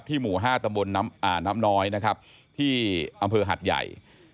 ที่หมู่๕ตะบนน้ำน้อยที่อำเภอหัดใหญ่